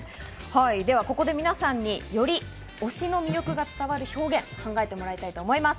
ここで皆さんに、より推しの魅力が伝わる表現を考えてもらいたいと思います。